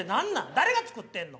誰が作ってんの？